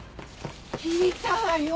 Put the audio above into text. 聞いたわよ。